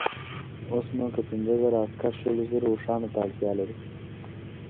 اوس نو که پنځه زره عسکر شلو زرو اوښانو ته اړتیا لري.